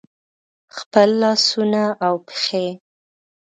خپل لاسونه او پښې